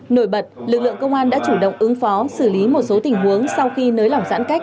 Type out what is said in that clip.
nổi bật lực lượng công an đã chủ động ứng phó xử lý một số tình huống sau khi nới lỏng giãn cách